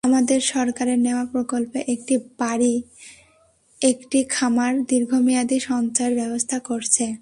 আমাদের সরকারের নেওয়া প্রকল্প একটি বাড়ি একটি খামার দীর্ঘমেয়াদি সঞ্চয়ের ব্যবস্থা করছে।